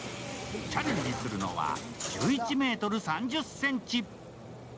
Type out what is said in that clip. チャレンジするのは１１ｍ３０ｃｍ。